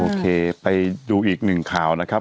ไปดูอีกหนึ่งข่าวนะครับ